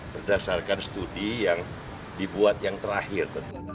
berdasarkan studi yang dibuat yang terakhir